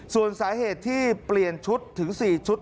ส่วนสาเหตุที่เปลี่ยนชุดถึง๔ชุด